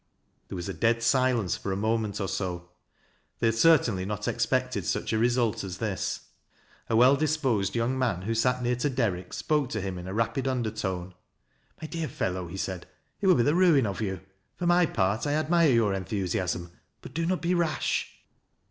There was a dead silence for a moment or so. They had certainly not expected such a result as this. A well disposed young man, who sat near to Derrick, spoke to him in a rapid undertone. " My dear fellow," he said, " it will be the ruiu of you. For my part, I admire your enthusiasm, but do not be rash."